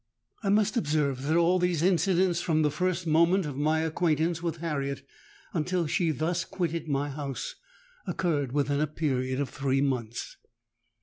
"I must observe that all these incidents,—from the first moment of my acquaintance with Harriet until she thus quitted my house,—occurred within a period of three months.